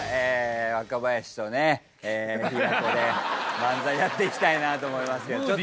若林とねえ平子で漫才やっていきたいなと思いますけど。